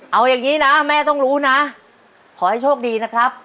เอาอย่างนี้นะแม่ต้องรู้นะขอให้โชคดีนะครับ